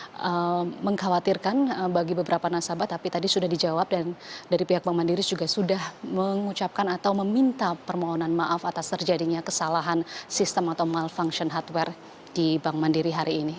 yang mengkhawatirkan bagi beberapa nasabah tapi tadi sudah dijawab dan dari pihak bank mandiri juga sudah mengucapkan atau meminta permohonan maaf atas terjadinya kesalahan sistem atau malfunction hardware di bank mandiri hari ini